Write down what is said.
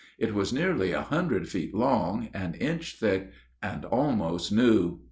It was nearly a hundred feet long, an inch thick, and almost new.